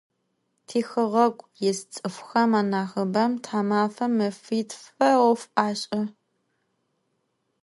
Tixeğegu yis ts'ıfxem anahıbem thamafem mefitfe 'of aş'e.